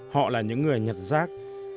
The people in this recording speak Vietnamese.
họ là những người nhặt rác